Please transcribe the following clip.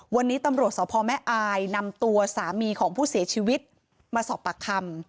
วันนี้ตำรวจสพแม่อายนำตัวสามีของผู้เสียชีวิตมาสอบปากคำ